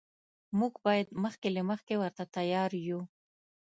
موږ باید مخکې له مخکې ورته تیار یو.